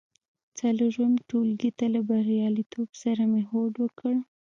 څلورم ټولګي ته له بریالیتوب سره مې هوډ وکړ.